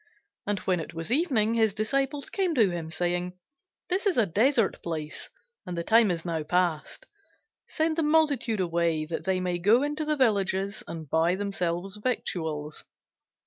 And when it was evening, his disciples came to him, saying, This is a desert place, and the time is now past; send the multitude away, that they may go into the villages, and buy themselves victuals.